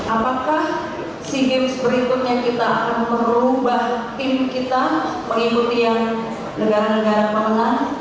apakah sea games berikutnya kita akan merubah tim kita mengikuti yang negara negara pemenang